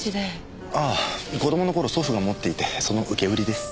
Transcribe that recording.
ああ子供の頃祖父が持っていてその受け売りです。